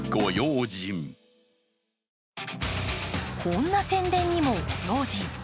こんな宣伝にもご用心。